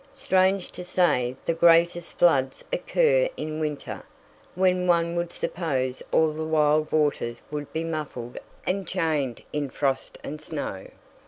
Strange to say, the greatest floods occur in winter, when one would suppose all the wild waters would be muffled and chained in frost and snow.